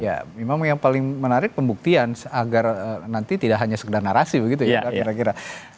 ya memang yang paling menarik pembuktian agar nanti tidak hanya sekedar narasi begitu ya kan kira kira